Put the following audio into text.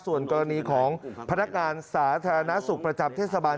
ส่วนกรณีของพนักงานสาธารณสุขประจำเทศบาล